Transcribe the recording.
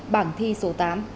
bảng thi số tám